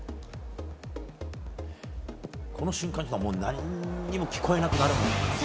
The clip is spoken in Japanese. この瞬間というのは、なんにも聞こえなくなるものなんですか？